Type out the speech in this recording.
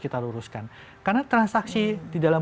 kita luruskan karena transaksi di dalam